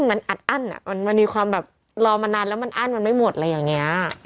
มันอัดอั้นมันมีความแบบรอมานานแล้วมันอั้นมันไม่หมดอะไรอย่างนี้